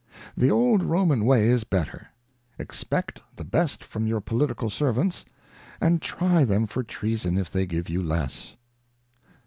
The old Roman way is better : expect the best from your political servants, and try them for treason if they give you less.